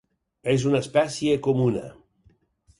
És una espècie comuna.